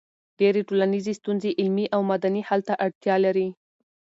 ډېری ټولنیزې ستونزې علمي او مدني حل ته اړتیا لري.